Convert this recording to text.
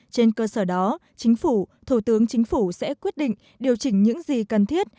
trên cơ sở đó chính phủ thủ tướng chính phủ sẽ quyết định điều chỉnh những gì cần thiết